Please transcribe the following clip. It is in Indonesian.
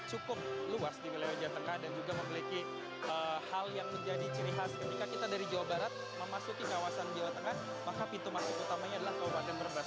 cukup luas di wilayah jawa tengah dan juga memiliki hal yang menjadi ciri khas ketika kita dari jawa barat memasuki kawasan jawa tengah maka pintu masuk utamanya adalah kabupaten brebes